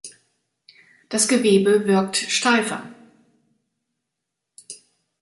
Das Gewebe wirkt steifer.